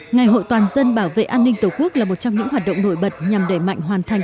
ngày hội toàn dân bảo vệ an ninh tổ quốc là một trong những hoạt động nổi bật nhằm đẩy mạnh hoàn thành